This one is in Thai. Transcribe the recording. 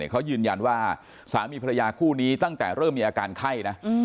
เขายืนยันว่าสามีภรรยาคู่นี้ตั้งแต่เริ่มมีอาการไข้นะ